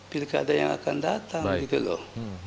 pilkada yang akan datang gitu loh